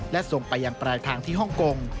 และส่งไปยังปลายทางที่ฮ่องกง